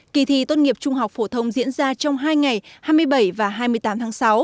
kỳ thi tốt nghiệp trung học phổ thông diễn ra trong hai ngày hai mươi bảy và hai mươi tám tháng sáu